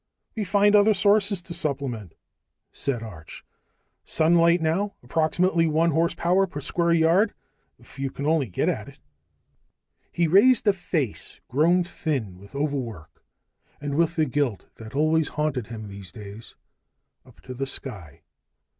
"We find other sources to supplement," said Arch. "Sunlight, now. Approximately one horse power per square yard, if you could only get at it." He raised a face grown thin with overwork and with the guilt that always haunted him these days, up to the sky.